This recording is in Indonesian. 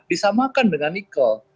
disamakan dengan nikel